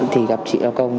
thì gặp chị đào công